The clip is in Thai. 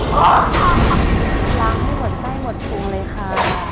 ล้างให้หมดใจหมดภูมิเลยค่ะ